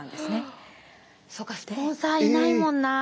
そうかスポンサーいないもんな。